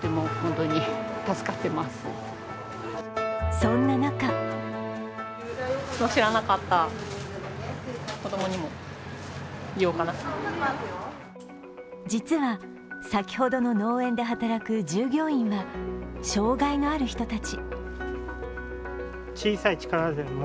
そんな中実は先ほどの農園で働く従業員は障害のある人たち。